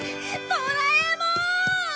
ドラえもん！